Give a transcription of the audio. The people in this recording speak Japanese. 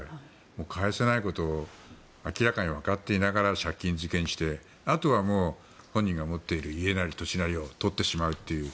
返せないことを明らかにわかっていながら借金漬けにしてあとはもう本人が持っている家なり土地なりを取ってしまうという。